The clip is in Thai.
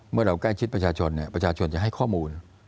เมื่อเราใกล้ชิดประชาชนประชาชนจะให้ข้อมูล